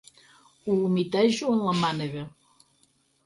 Ho humitejo amb la mànega.